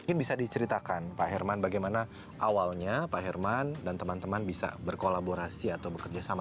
mungkin bisa diceritakan pak herman bagaimana awalnya pak herman dan teman teman bisa berkolaborasi atau bekerja sama